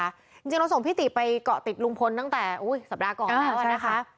จริงเราส่งพี่ติไปเกาะติดลุงพลตั้งแต่สัปดาห์ก่อนแล้วนะคะ